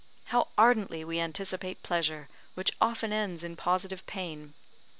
How ardently we anticipate pleasure, which often ends in positive pain!